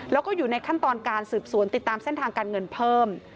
แล้วก็อยู่ในขั้นตอนการสืบสวนติดตามเส้นทางการเงินเพิ่ม